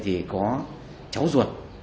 thì có cháu ruột